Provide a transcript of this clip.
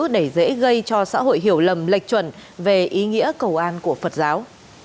để dễ gây cho xã hội hiểu lầm lệch chuẩn về ý nghĩa cầu an của phật giáo